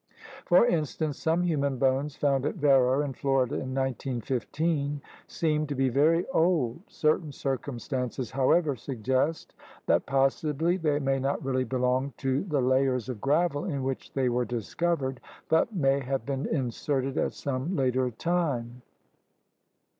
For instance, some human bones found at Vero in Florida in 1915 seem to be very old. Certain circumstances, however, suggest that possibly they may not really belong to the layers 12 THE RED MAN'S CONTINENT of gravel in which they were discovered but may have been inserted at some later time.